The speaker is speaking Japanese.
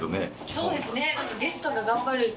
そうですね。